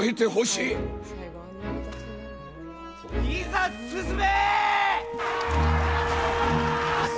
いざ進め！